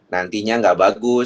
nantinya gak bagus